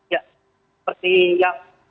ya seperti yang